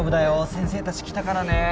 先生たち来たからね。